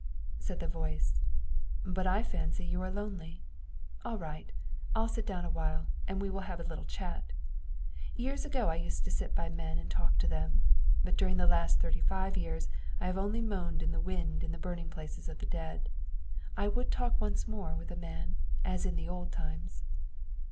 Said the voice: 'But I fancy you are lonely. All right; I'll sit down a while, and we will have a little chat. Years ago I used to sit by men and talk to them. But during the last thirty five years I have only moaned in the wind in the burning places of the dead. I would talk once more with a man as in the old times.'